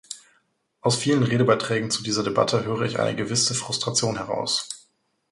Aus vielen Redebeiträgen zu dieser Debatte höre ich eine gewisse Frustration heraus.